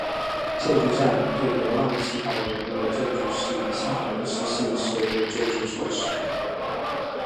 救助站对流浪乞讨人员的救助是一项临时性社会救助措施。